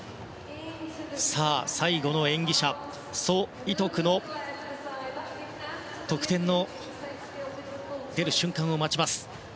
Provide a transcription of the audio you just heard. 最後の演技者ソ・イトクの得点を待ちます。